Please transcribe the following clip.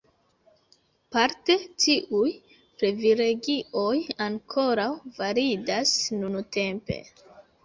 Parte tiuj privilegioj ankoraŭ validas nuntempe.